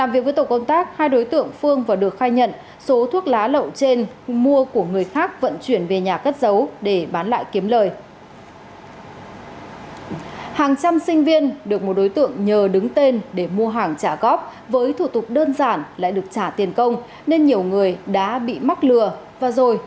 vì đứng tên mua hộ hàng trả góp trước đó